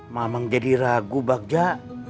mamang jadi ragu bagja